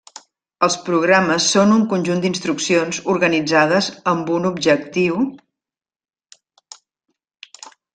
Els programes són un conjunt d'instruccions organitzades amb un objectiu.